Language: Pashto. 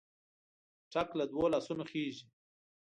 ټک له دوو لاسونو خېژي.